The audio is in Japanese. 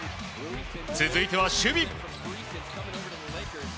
続いては守備。